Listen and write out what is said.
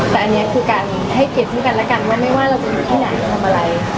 แต่อันนี้คือการให้เกลียดสังคัญแล้วกันว่าไม่ว่าเราจะอยู่ข้างหน้าจะทำอะไร